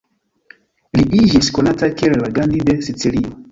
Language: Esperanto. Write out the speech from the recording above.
Li iĝis konata kiel la "Gandhi de Sicilio".